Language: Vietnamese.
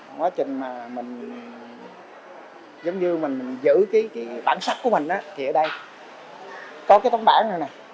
nói chung là giống như mình giữ bản sắc của mình thì ở đây có cái tấm bản này